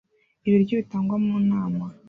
Ibiryo bitangwa mu nama